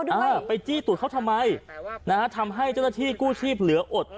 เออไปจี้ตูดเขาทำไมนะฮะทำให้เจ้าหน้าที่กู้ชีพเหลืออด